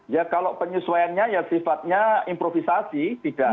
ya kalau penyesuaiannya ya sifatnya improvisasi tidak